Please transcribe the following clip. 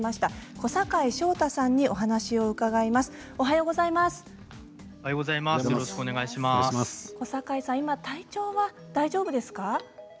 小堺さん、今体調は大丈夫ですか。